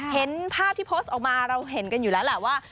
เห็นภาพที่โพสต์ออกมาเราเห็นกันอยู่แล้วแหละว่า